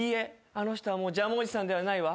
あの人はもうジャムおじさんではないわ。